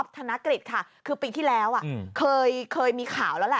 ธนกฤษค่ะคือปีที่แล้วเคยมีข่าวแล้วแหละ